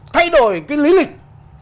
thay đổi cái lý lịch